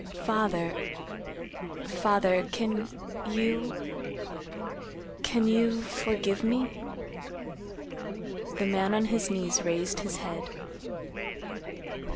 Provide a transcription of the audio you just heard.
"Father—Father; can—you—can—you—forgive me?" The man on his knees raised his head.